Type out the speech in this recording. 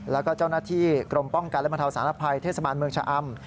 แล้วก็เจ้าหน้าที่กรมป้องกันและบรรเทาสารภัยเทศบาลเมืองชะอำ